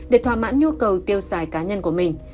để thỏa mãn nhu cầu tiêu xài cá nhân của mình